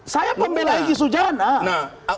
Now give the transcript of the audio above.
saya pembelai egy sujana